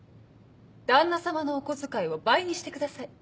旦那様のお小遣いを倍にしてください。